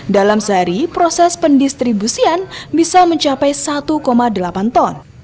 dalam sehari proses pendistribusian bisa mencapai satu delapan ton